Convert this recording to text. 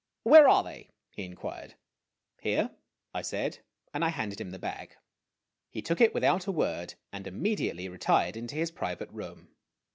" Where are they ?" he inquired. " Here," I said, and I handed him the bag. He took it without a word, and immediately retired into his private room.